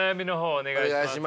お願いします。